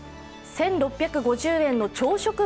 １６５０円の朝食